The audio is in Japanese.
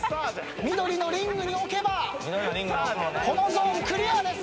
緑のリングに置けばこのゾーンクリアです。